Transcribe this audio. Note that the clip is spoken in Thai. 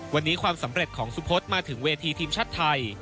วันนี้ความสำเร็จของสุพศมาถึงเวทีทีมชาติไทย